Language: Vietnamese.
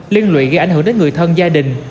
liên lụy gây ảnh hưởng đến người thân gia đình